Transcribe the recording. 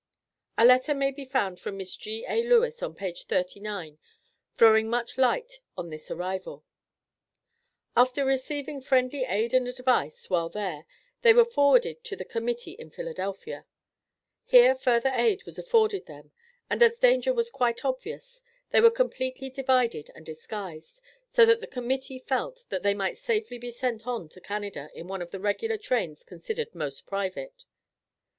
[A letter may be found from Miss G.A. Lewis, on page thirty nine, throwing much light on this arrival]. After receiving friendly aid and advice while there, they were forwarded to the Committee in Philadelphia. Here further aid was afforded them, and as danger was quite obvious, they were completely divided and disguised, so that the Committee felt that they might safely be sent on to Canada in one of the regular trains considered most private.